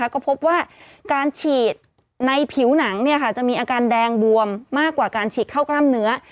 ก็พบว่าการฉีดในผิวหนังจะมีอาการแดงบวมมากกว่าการฉีดเข้ากล้ามเนื้อ